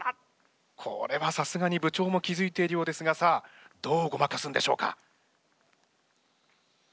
これはさすがに部長も気付いているようですがさあどうごまかすんでしょうか。